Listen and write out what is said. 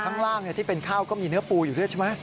ข้างล่างที่เป็นข้าวก็มีเนื้อปูอยู่ด้วยใช่ไหม